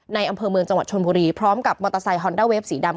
อำเภอเมืองจังหวัดชนบุรีพร้อมกับมอเตอร์ไซคอนด้าเวฟสีดำ